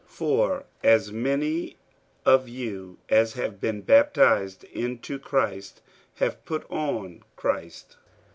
48:003:027 For as many of you as have been baptized into Christ have put on Christ.